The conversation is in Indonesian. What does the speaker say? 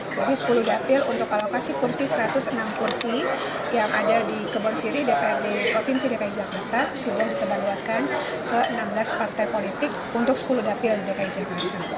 jadi sepuluh dapil untuk alokasi kursi satu ratus enam kursi yang ada di kebun siri dprd provinsi dki jakarta sudah disembarluaskan ke enam belas partai politik untuk sepuluh dapil dki jakarta